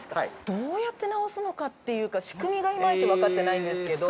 どうやって直すのかっていうか仕組みがいまいちわかってないんですけど。